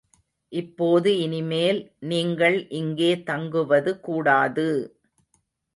இப்போது இனிமேல் நீங்கள் இங்கே தங்குவது கூடாது!